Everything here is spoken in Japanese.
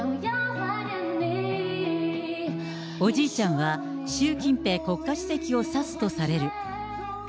おじいちゃんは習近平国家主席を指すとされる。